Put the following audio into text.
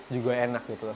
juga enak gitu